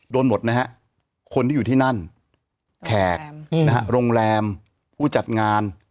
หมดนะฮะคนที่อยู่ที่นั่นแขกนะฮะโรงแรมผู้จัดงาน